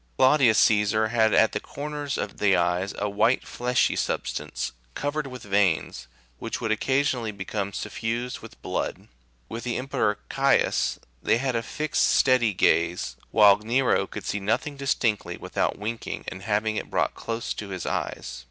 Claudius Caesar had at the corners of the eyes a white fleshy substance, covered with veins, which would occasionally become suffused with blood; with the Emperor Caius96 they had a fixed, steady gaze, while Nero could see nothing distinctly without wink ing, and having it brought close to his eyes.